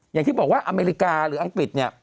อย่างที่บอกว่าอเมริกาหรืออังกฤษเนี่ย